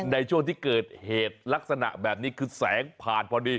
ในช่วงที่เกิดเหตุลักษณะแบบนี้คือแสงผ่านพอดี